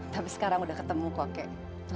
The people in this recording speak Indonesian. tapi sekarang sudah ketemu kok kakek